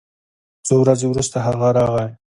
څو ورځې وروسته هغه راغی